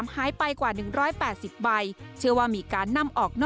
หายไปกว่า๑๘๐ใบเชื่อว่ามีการนำออกนอก